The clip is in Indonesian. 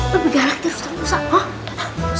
lebih galak daripada ustaz musa